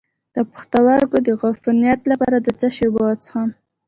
د پښتورګو د عفونت لپاره د څه شي اوبه وڅښم؟